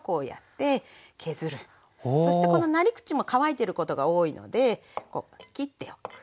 そしてこのなり口も乾いてることが多いのでこう切っておく。